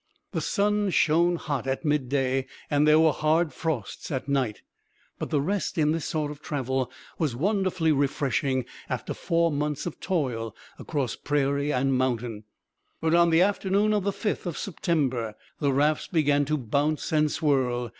The sun shone hot at midday and there were hard frosts at night; but the rest in this sort of travel was wonderfully refreshing after four months of toil across prairie and mountain. But on the afternoon of the 5th of September the rafts began to bounce and swirl.